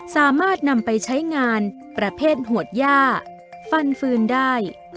สามารถนำไปใช้งานประเภทหวดย่าฟันฟืนได้